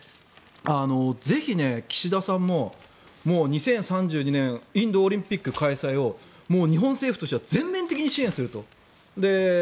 ぜひ岸田さんも２０３２年インドオリンピック開催を日本政府としては全面的に支援すると。